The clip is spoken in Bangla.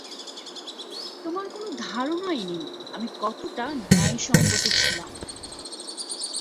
তোমার কোনো ধারণাই নেই, আমি কতটা ন্যায়সঙ্গত ছিলাম।